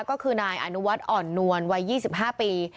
ก็คือนายอนุวัฒน์อ่อนนวลวัย๒๕ปี